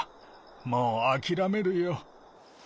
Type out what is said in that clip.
もうあきらめるよ。